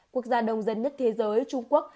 quốc gia đông dân nhất thế giới trung quốc